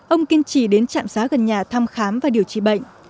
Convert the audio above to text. ông kiên trì đến trạm xá gần nhà thăm khám và điều trị bệnh